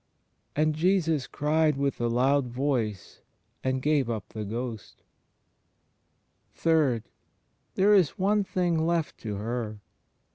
'^•.. And Jesus cried with a loud voice and gave up the ghost. ..." (iii) There is one thing left to her.